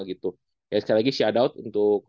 sekali lagi shout out untuk